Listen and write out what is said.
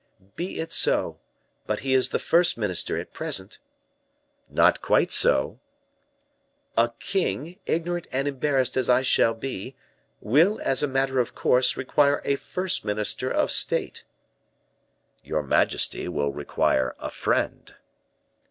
"Be it so; but he is the first minister at present." "Not quite so." "A king, ignorant and embarrassed as I shall be, will, as a matter of course, require a first minister of state." "Your majesty will require a friend."